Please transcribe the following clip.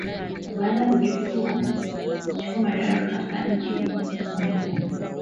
baada ya kuchukua madaraka kwa njia ya mapinduzi miezi sita iliyopita